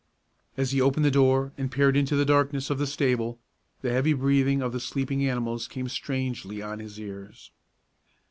As he opened the door and peered into the darkness of the stable, the heavy breathing of the sleeping animals came strangely on his ears.